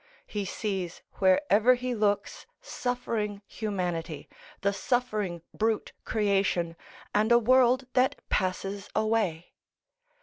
He sees wherever he looks suffering humanity, the suffering brute creation, and a world that passes away.